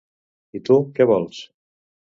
I tu, què vols?